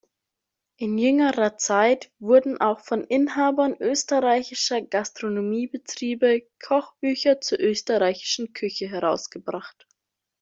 In jüngerer Zeit wurden auch von Inhabern österreichischer Gastronomiebetriebe Kochbücher zur österreichischen Küche herausgebracht.